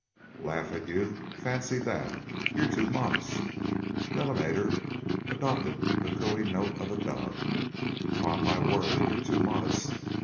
"Laugh at you! Fancy that! You're too modest." Delamater adopted the cooing note of a dove. "'Pon my word, you're too modest.